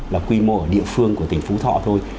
là quy mô ở địa phương của tỉnh phú thọ thôi